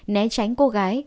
né tránh cô gái